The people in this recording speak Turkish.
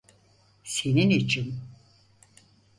Senin için.